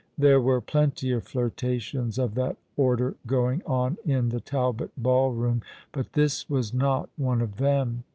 There were plenty of flirtations of that order going on in the Talbot ball room ; but this was not one of them.